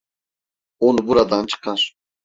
Onu buradan çıkar.